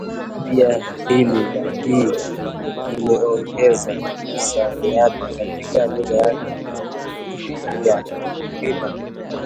Pia hali hii imeongeza msamiati katika lugha ya Kigiryama